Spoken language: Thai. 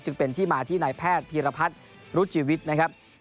จึงเป็นที่มาที่นายแพทย์พีรพัฒน์รุจิวิทย์นะครับ